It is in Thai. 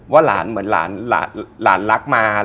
ว่าเหมือนล้านลักมา